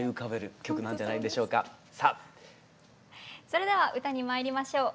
それでは歌にまいりましょう。